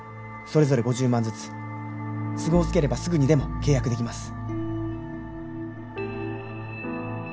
それぞれ５０万ずつ都合つければすぐにでも契約できます。